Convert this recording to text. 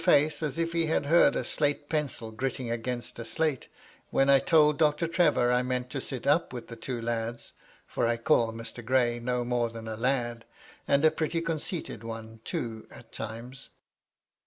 face as if he had heard a slate pencil gritting against a slate, when I told Doctor Trevor I meant to sit up with the two lads, for I call Mr. Gray little more than a lad, and a pretty conceited one, too, at times."